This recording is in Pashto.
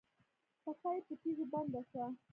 پښه یې په تيږو بنده شوه.